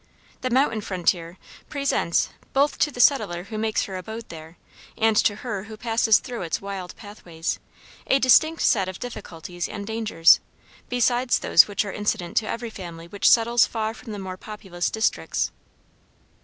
The mountain frontier presents, both to the settler who makes her abode there, and to her who passes through its wild pathways, a distinct set of difficulties and dangers besides those which are incident to every family which settles far from the more populous districts.